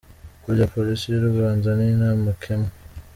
Burya Polisi y’u Rwanda ni ntamakemwa.